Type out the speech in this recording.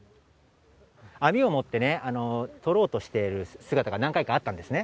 網を持ってね、とろうとしている姿が何回かあったんですね。